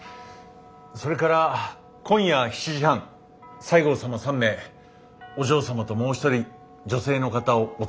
それから今夜７時半西郷様３名お嬢様ともう一人女性の方をお連れになっていらっしゃいます。